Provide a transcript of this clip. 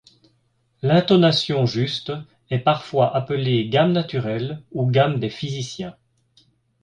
L'intonation juste est parfois appelée gamme naturelle ou gamme des physiciens.